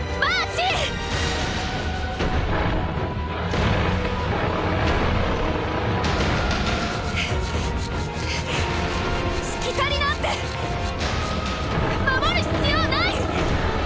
しきたりなんて守る必要ない！